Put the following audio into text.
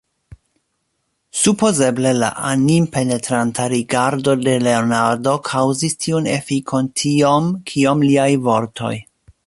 Supozeble la animpenetranta rigardo de Leonardo kaŭzis tiun efikon tiom, kiom liaj vortoj.